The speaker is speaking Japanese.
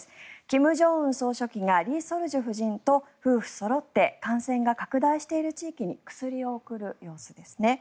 金正恩総書記が李雪主夫人と夫婦そろって感染が拡大している地域に薬を送る様子です。